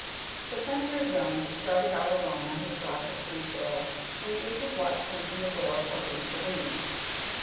So Senator Jones started out alone on his drive to Truesdale, and the agent watched him from the door of Hogan's saloon.